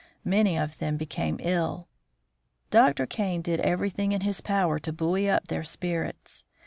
Many of them became ill. Dr. Kane did everything in his power to buoy up their spirits.